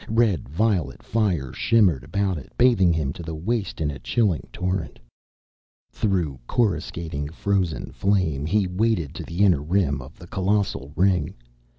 Red violet fire shimmered about it, bathing him to the waist in a chilling torrent. Through coruscating frozen flame he waded to the inner rim of the colossal ring.